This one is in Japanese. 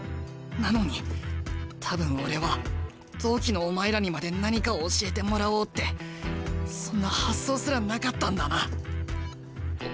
なのに多分俺は同期のお前らにまで何かを教えてもらおうってそんな発想すらなかったんだな。